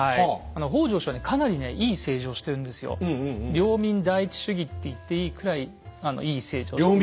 領民第一主義って言っていいくらいいい政治をしていまして。